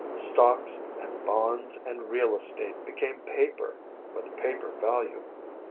Stocks and bonds and real estate became paper, with paper value.